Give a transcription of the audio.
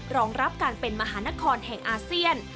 รองรับการเป็นมหานครแห่งอาเซียน